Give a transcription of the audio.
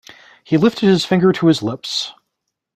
He lifted his finger to his lips.